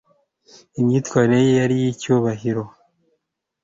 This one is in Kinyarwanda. imyitwarire ye yari iy'icyubahiro